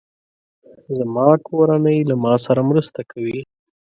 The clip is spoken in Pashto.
زما کورنۍ له ما سره مرسته کوي.